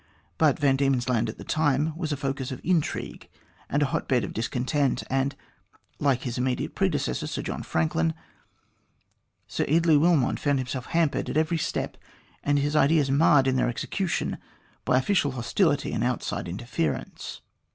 But Van Diemen's Land at the time was a focus of intrigue and a hot bed of discontent, and, like his immediate predecessor, Sir John Franklin, Sir Eardley Wilmot found himself hampered at every step and his ideas marred in their execution by official hostility and outside interference.